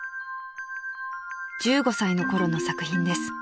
［１５歳の頃の作品です］